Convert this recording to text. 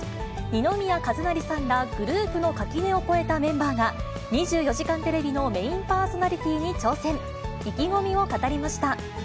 二宮和也さんらグループの垣根を越えたメンバーが、２４時間テレビのメインパーソナリティーに挑戦。